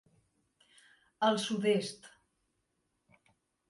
Al sud-est.